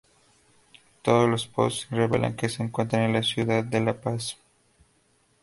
Todos los posts revelan que se encuentra en la ciudad de La Paz.